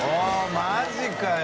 マジかよ。